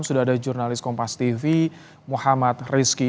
sudah ada jurnalis kompas tv muhammad rizky